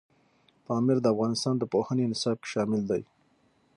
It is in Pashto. پامیر د افغانستان د پوهنې نصاب کې شامل دي.